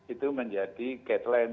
itu menjadi guidelines